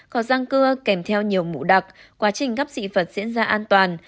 có răng cưa kèm theo nhiều mũ đặc quá trình gắp dị vật diễn ra an toàn